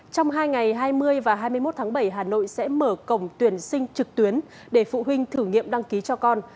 trong hai ngày hai mươi và hai mươi một tháng bảy hà nội sẽ mở cổng tuyển sinh trực tuyến để phụ huynh thử nghiệm đăng ký cho con